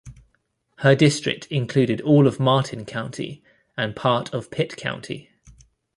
Her district included all of Martin County and part of Pitt County.